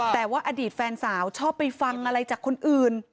แต่ว่าอดีตแฟนสาวชอบไปฟังอะไรจากคนอื่น